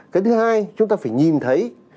cái thứ hai chúng ta phải nhìn thấy